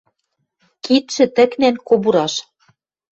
Кидшӹ тӹкнен кобураш